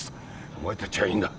お前たちはいいんだ。